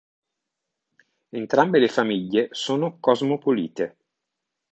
Entrambe le famiglie sono cosmopolite.